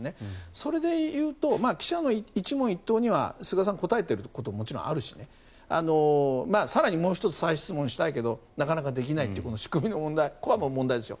それで言うと記者の一問一答には菅さん答えていることももちろんあるし更にもう１つ再質問したいけどなかなかできないっていうこの仕組みの問題コアの問題ですよ。